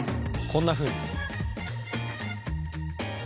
こんなふうに。